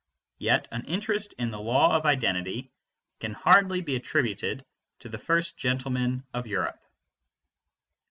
Yet an interest in the law of identity can hardly be attributed to the first gentleman of Europe.